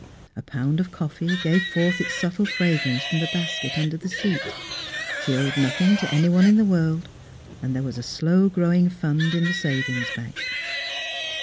A pound of coffee gave forth its subtle fra grance from the basket under the seat. She owed nothing to anyone in the world, and there was a slow growing fund in the savings bank.